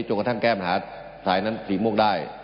และผมก็คงก็ทำแก้มหาสายสีม่วงได้